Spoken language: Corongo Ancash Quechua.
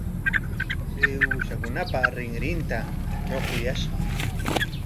Chay uushakunapa rinrinta ruquyashqa.